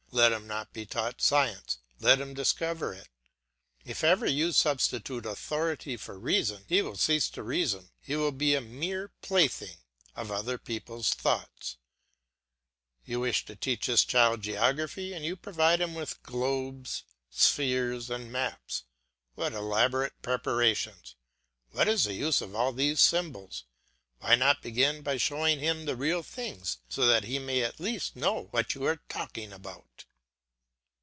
Let him not be taught science, let him discover it. If ever you substitute authority for reason he will cease to reason; he will be a mere plaything of other people's thoughts. You wish to teach this child geography and you provide him with globes, spheres, and maps. What elaborate preparations! What is the use of all these symbols; why not begin by showing him the real thing so that he may at least know what you are talking about?